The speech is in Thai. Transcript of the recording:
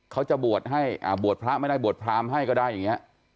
เขาจะบวชให้บวชพระไม่ได้บวชพรามให้ก็ได้อย่างนี้